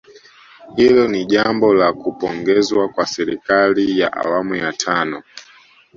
Hilo ni jambo la kupongezwa kwa serikali ya awamu ya tano